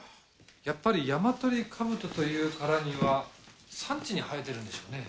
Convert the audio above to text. やっぱりヤマトリカブトというからには山地に生えてるんでしょうね？